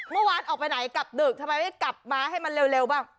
เมื่อวานออกไปไหนกลับดึกทำไมไม่กลับมาให้มันเร็วบ้าง